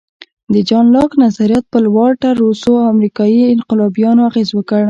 د جان لاک نظریات پر والټر، روسو او امریکایي انقلابیانو اغېز وکړ.